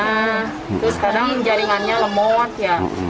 terus kadang jaringannya lemot ya